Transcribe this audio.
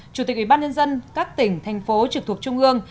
chủ tịch ủy ban nhân dân các tỉnh thành phố trực thuộc trung ương